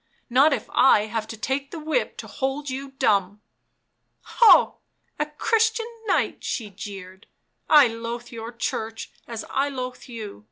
— not if I have to take the whip to hold you dumb !"" Ho ! a Christian knight !" she jeered. " I loathe your Church as I loathe you.